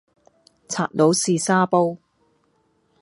賊佬試沙煲